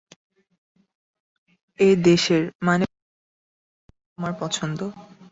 এ দেশের-মানে বাংলায়, কার লেখা তোমার পছন্দ?